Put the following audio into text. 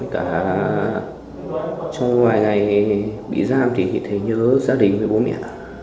cả trong vài ngày bị giam thì thấy nhớ gia đình với bố mẹ